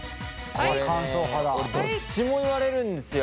俺どっちも言われるんですよ。